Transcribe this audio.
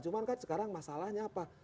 cuman kan sekarang masalahnya apa